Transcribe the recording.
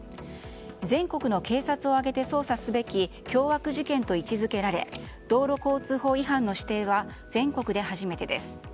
全国の警察を挙げて捜査すべき凶悪事件と位置づけられ道路交通法違反の指定は全国で初めてです。